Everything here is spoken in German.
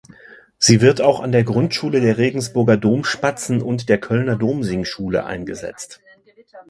Sie wird auch an der Grundschule der Regensburger Domspatzen und der Kölner Domsingschule eingesetzt.